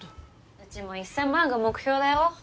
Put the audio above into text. うちも１，０００万が目標だよ。